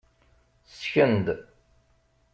Ssken-d.